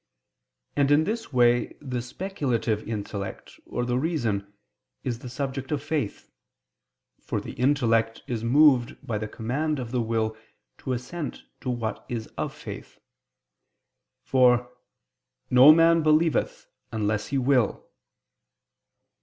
And in this way the speculative intellect, or the reason, is the subject of Faith: for the intellect is moved by the command of the will to assent to what is of faith: for "no man believeth, unless he will" [*Augustine: Tract. xxvi in Joan.].